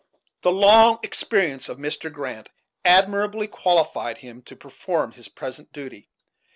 The long experience of Mr. Grant admirably qualified him to perform his present duty.